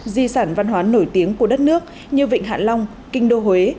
di sản văn hóa nổi tiếng của đất nước như vịnh hạ long kinh đô huế